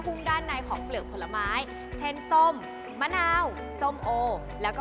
ด้านในของเปลือกผลไม้เช่นส้มมะนาวส้มโอแล้วก็